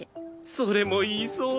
それも言いそう。